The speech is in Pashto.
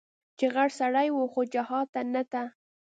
چې غټ سړى و خو جهاد ته نه ته.